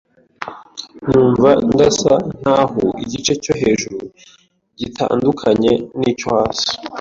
numva ndasa n’aho igice cyo hejuru gitandukanye n’icyo hasi